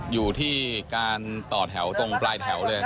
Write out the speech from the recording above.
อยู่ที่การต่อแถวตรงปลายแถวเลย